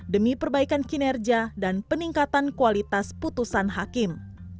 demi perbaikan kinerja dan peningkatan kualitas putusan hakim